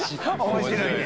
面白いね。